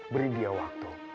beri dia waktu